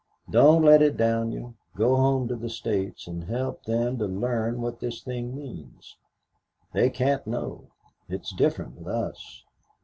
Don't let it down you. Go home to the States and help them to learn what this thing means. They can't know. It is different with us.